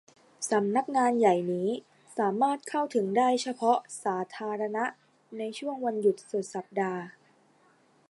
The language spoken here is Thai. สำนักงานใหญ่นี้สามารถเข้าถึงได้เฉพาะสาธารณะในช่วงวันหยุดสุดสัปดาห์